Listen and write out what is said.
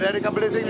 dari kabel listrik